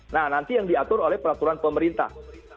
nah nanti yang diatur oleh peraturan pemerintah